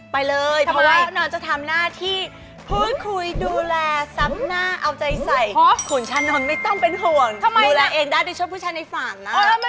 ไปเลยเพราะว่านอนจะทำหน้าที่พื้นคุยดูแลซับหน้าเอาใจใส่ขุนชานนท์ไม่ต้องเป็นห่วงดูแลเองได้ด้วยช่วยผู้ชายในฝั่งนะ